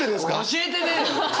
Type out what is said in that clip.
教えてねえよ！